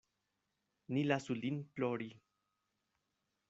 Ni lasu lin plori.